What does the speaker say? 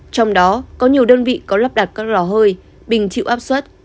trong đó có nhiều đơn vị có lắp đặt các lò hơi bình chịu áp suất